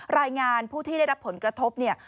รายงานผู้ที่ได้รับผลกระทบเนี่ย